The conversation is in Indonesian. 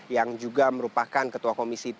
yang juga merupakan ketua badan pemenangan pemilu pdip